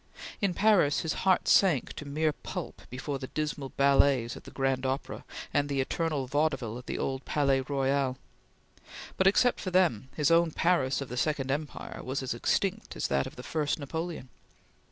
In Paris, his heart sank to mere pulp before the dismal ballets at the Grand Opera and the eternal vaudeville at the old Palais Royal; but, except for them, his own Paris of the Second Empire was as extinct as that of the first Napoleon.